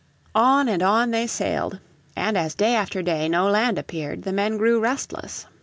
On and on they sailed, and as day after day no land appeared the men grew restless.